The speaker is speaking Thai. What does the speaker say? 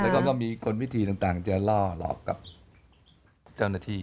แล้วก็มีคนพิธีต่างจะล่อหลอกกับเจ้าหน้าที่